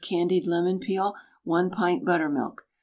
candied lemon peel, 1 pint buttermilk.